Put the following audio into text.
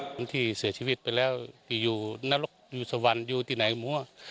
คนที่เสียชีวิตไปแล้วที่อยู่สวรรค์อยู่ที่ไหนที่ไหนมัว